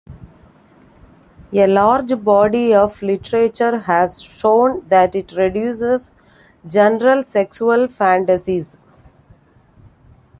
A large body of literature has shown that it reduces general sexual fantasies.